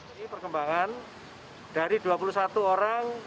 ini perkembangan dari dua puluh satu orang